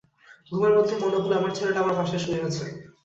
ঘুমের মধ্যেই মনে হল আমার ছেলেটা আমার পাশে শুয়ে আছে।